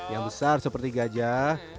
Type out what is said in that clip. yang besar seperti gajah